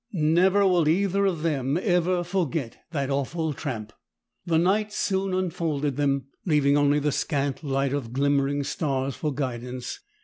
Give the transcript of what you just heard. Never will either of them ever forget that awful tramp. The night soon enfolded them, leaving only the scant light of the glimmering stars for guidance.